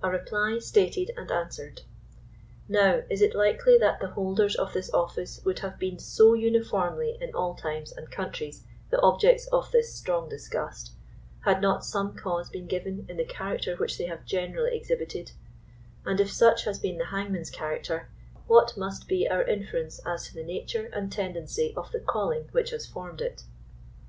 81 A REPLY STATED AND ANSWERED, Now is it likely ihat the holders of this office would have been so uniformly in all times and countries the objects of this strong disgust, had not some cause been given in the character which they have generally exhibited ; and if such has been the hangman's character, what must be our inference as to the nature and tendency of the calling which has formed it